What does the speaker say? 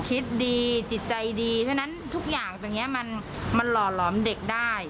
คิดดีจิตใจดีเพราะฉะนั้นทุกอย่างตรงนี้มันหล่อหลอมเด็กได้